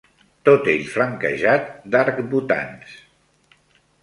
Tot ell flanquejat d'arcbotants